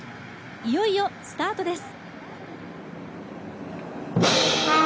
いよいよスタートです。